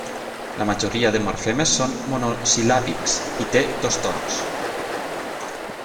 La majoria de morfemes són monosil·làbics i té dos tons.